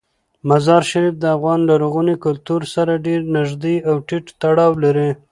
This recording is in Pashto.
مزارشریف د افغان لرغوني کلتور سره ډیر نږدې او ټینګ تړاو لري.